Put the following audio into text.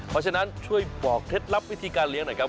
เพราะฉะนั้นช่วยบอกเคล็ดลับวิธีการเลี้ยงหน่อยครับ